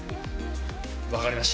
分かりました。